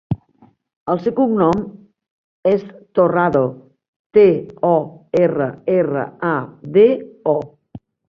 El seu cognom és Torrado: te, o, erra, erra, a, de, o.